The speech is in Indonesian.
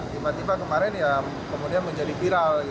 tiba tiba kemarin ya kemudian menjadi viral